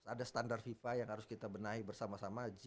ada standar fifa yang harus kita benahi bersama sama